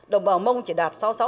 đồng bào mông chỉ đạt sáu mươi sáu một